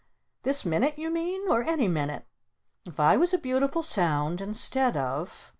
This minute, you mean? Or any minute? If I was a Beautiful Sound instead of